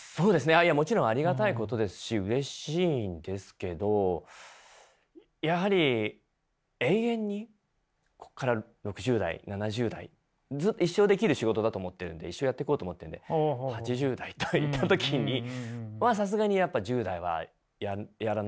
あいやもちろんありがたいことですしうれしいんですけどやはり永遠にこっから６０代７０代一生できる仕事だと思ってるんで一生やっていこうと思ってるんで８０代といった時にまあさすがにやっぱ１０代はやらないでしょうし。